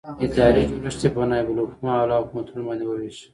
ادارې جوړښت یې په نائب الحکومه او اعلي حکومتونو باندې وویشه.